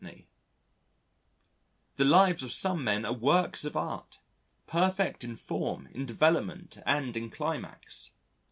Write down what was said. The lives of some men are works of art, perfect in form, in development and in climax.